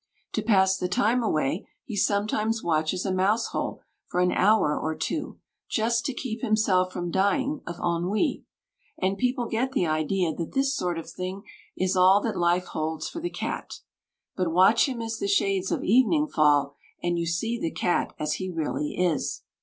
To pass the time away he sometimes watches a mouse hole for an hour or two just to keep himself from dying of ennui; and people get the idea that this sort of thing is all that life holds for the cat. But watch him as the shades of evening fall, and you see the cat as he really is.